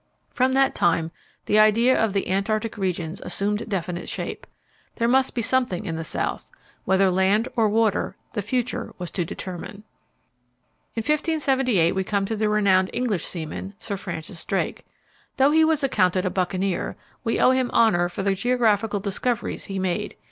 From that time the idea of the Antarctic regions assumed definite shape. There must be something in the South: whether land or water the future was to determine. In 1578 we come to the renowned English seaman, Sir Francis Drake. Though he was accounted a buccaneer, we owe him honour for the geographical discoveries he made.